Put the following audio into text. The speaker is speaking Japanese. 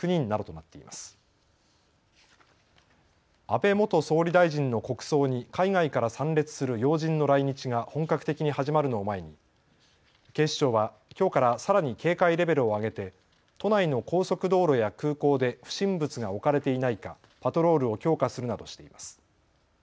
安倍元総理大臣の国葬に海外から参列する要人の来日が本格的に始まるのを前に警視庁はきょうからさらに警戒レベルを上げて都内の高速道路や空港で不審物が置かれていないかパトロールを強化するなどしています。